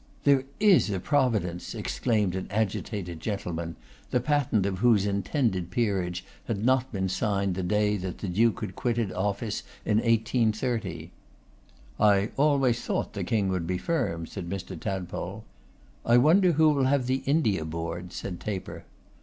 'There is a Providence!' exclaimed an agitated gentleman, the patent of whose intended peerage had not been signed the day that the Duke had quited office in 1830. 'I always thought the King would be firm,' said Mr. Tadpole. 'I wonder who will have the India Board,' said Taper.